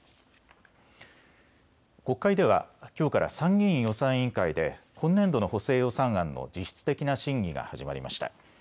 国会では、きょうから参議院予算委員会で今年度の補正予算案の実質的な審議が始まりました。